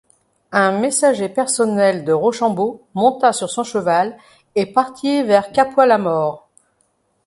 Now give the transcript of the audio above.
Un messager personnel de Rochambeau monta sur son cheval et partit vers Capois-La-Mort.